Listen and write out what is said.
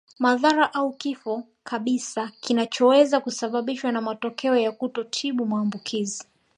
Madhara au kifo kabisa kinachoweza kusababishwa na matokeo ya kutotibu maambukizi